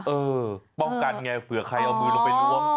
เออป้องกันไงเผื่อใครเอามือลงไปล้วง